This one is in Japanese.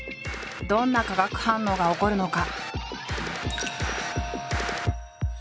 どんな化学反応が起こるのか？